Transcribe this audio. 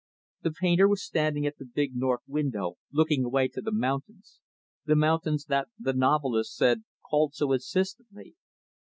The painter was standing at the big, north window, looking up away to the mountains the mountains that the novelist said called so insistently.